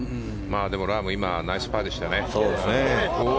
ラーム、今はナイスパーでしたね。